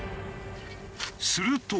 すると。